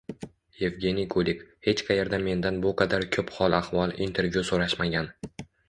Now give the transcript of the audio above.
Yevgeniy Kulik: hech qayerda mendan bu qadar ko‘p hol-ahvol, intervyu so‘rashmagan